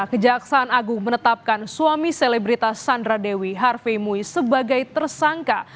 kejaksaan agung menetapkan suami selebritas sandra dewi harvey mui sebagai tersangka